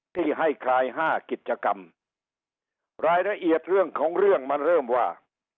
ที่ให้คลายห้ากิจกรรมรายละเอียดเรื่องของเรื่องมันเริ่มว่า